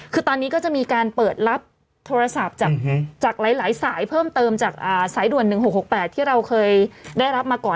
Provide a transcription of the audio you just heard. คือตอนนี้ก็จะมีการเปิดรับโทรศัพท์จากหลายสายเพิ่มเติมจากสายด่วน๑๖๖๘ที่เราเคยได้รับมาก่อน